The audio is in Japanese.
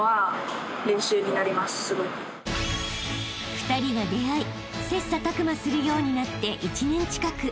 ［２人が出会い切磋琢磨するようになって１年近く。